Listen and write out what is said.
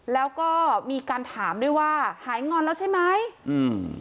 แล้วก็มีการถามด้วยว่าหายงอนแล้วใช่ไหมอืม